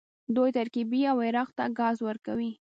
دوی ترکیې او عراق ته ګاز ورکوي.